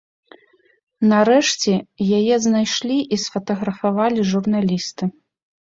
Нарэшце, яе знайшлі і сфатаграфавалі журналісты.